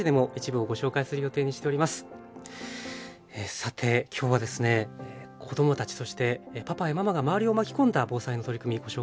さて今日はですね子どもたちそしてパパやママが周りを巻きこんだ防災の取り組みご紹介してきましたけれども